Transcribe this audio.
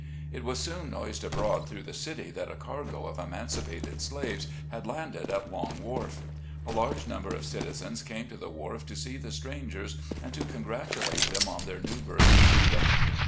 It was soon noised abroad through the city, that a cargo of emancipated slaves had landed at Long Wharf. A large number of citizens came to the wharf to see the strangers, and to congratulate them on their new birth to freedom.